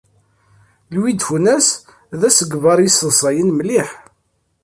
Louis de Funès d asegbar yesseḍsayen mliḥ.